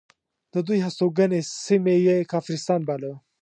د دوی هستوګنې سیمه یې کافرستان باله.